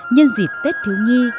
nhân dịp tết thiếu nhi